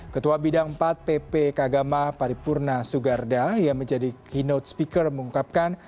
ketua bidang empat pp kagama paripurna sugarda yang menjadi keynote speaker mengungkapkan